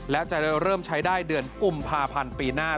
และจะเริ่มใช้ได้เดือนกุมภาพันธ์ปีหน้า